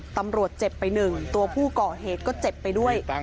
ตำรวจเจ็บไปหนึ่งตัวผู้ก่อเหตุก็เจ็บไปด้วย